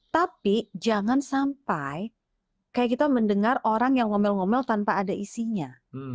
tapi jangan sampai kayak kita mendengar orang yang ngomel ngomel tanpa ada isinya